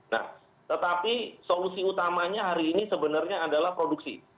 nah tetapi solusi utamanya hari ini sebenarnya adalah produksi